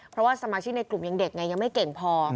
เพราะว่าสมาชิกในกลุ่มยังเด็กไงยังไม่เก่งพอ